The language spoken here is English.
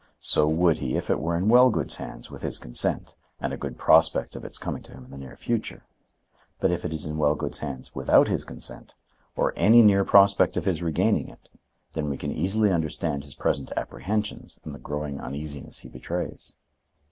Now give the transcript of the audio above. So would he if it were in Wellgood's hands with his consent and a good prospect of its coming to him in the near future. But if it is in Wellgood's hands without his consent, or any near prospect of his regaining it, then we can easily understand his present apprehensions and the growing uneasiness he betrays."